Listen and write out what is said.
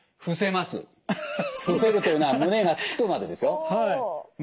伏せるというのは胸がつくまでですよ。